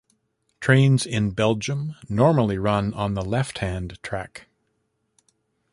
Trains in Belgium normally run on the left hand track.